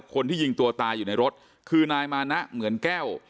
คนที่ยิงตัวตายอยู่ในรถคือนายมานะเหมือนแก้ว